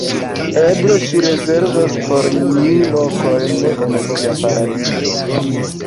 Eble ŝi rezervos por ni lokojn en sia paradizo.